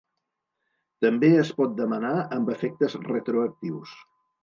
També es pot demanar amb efectes retroactius.